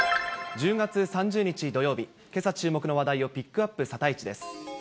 １０月３０日土曜日、けさ注目の話題をピックアップ、サタイチです。